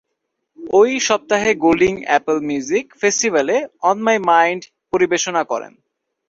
ঐ সপ্তাহে Golding Apple music ফেস্টিভালে "অন মাই মাইন্ড" পরিবেশনা করেন।